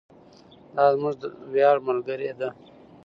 دا زموږ د ویاړ ملګرې ده.